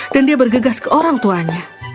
dan dia bergegas ke orang tuanya